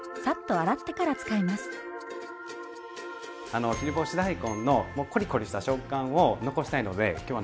あの切り干し大根のこりこりした食感を残したいので今日はね